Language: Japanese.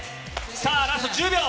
さあラスト１０秒。